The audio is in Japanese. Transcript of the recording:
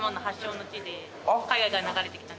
海外から流れてきた。